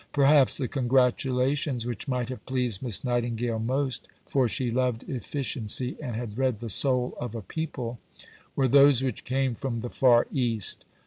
Perhaps the congratulations which might have pleased Miss Nightingale most for she loved efficiency and had read The Soul of a People were those which came from the Far East.